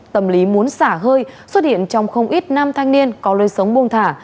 tâm lý muốn xả hơi xuất hiện trong không ít năm thanh niên có lơi sống buông thả